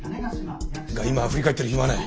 が今は振り返ってる暇はない。